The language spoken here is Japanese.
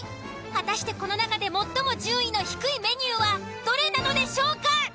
果たしてこの中で最も順位の低いメニューはどれなのでしょうか？